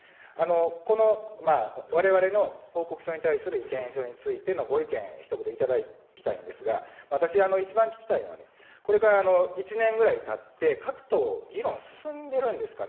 このわれわれの報告書に対する意見書についてのご意見、ひと言頂きたいんですが、私、一番聞きたいのはね、これから１年ぐらいたって、各党、議論進んでるんですかね。